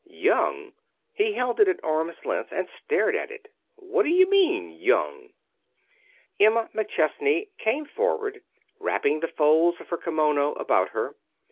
"Young!" He held it at arm's length and stared at it. "What d'you mean young?" Emma McChesney came forward, wrapping the folds of her kimono about her.